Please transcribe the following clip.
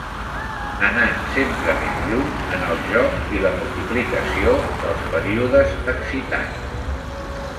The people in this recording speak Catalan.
Anant sempre més lluny en el joc i la multiplicació dels períodes excitants.